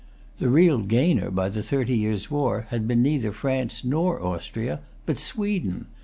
The real gainer by the Thirty Years' War had been neither France nor Austria, but Sweden.